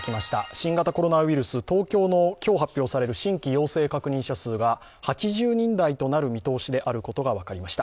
新型コロナウイルス、東京の今日発表される新規陽性確認者数が８０人台となる見通しであることが分かりました。